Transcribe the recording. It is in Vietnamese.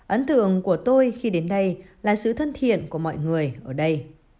ấn tượng của tôi khi đến đây là sự thân thiện của mọi người ở đây